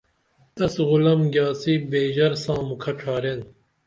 تس غلم گیاڅی بیژر ساں مکھہ ڇھارین